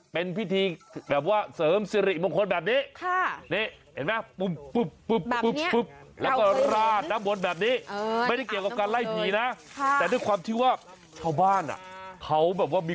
เป็นพิธีแบบว่าเสริมสิริมงคลแบบนี้